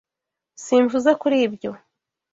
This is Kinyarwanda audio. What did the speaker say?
Simvuze kuri ibyo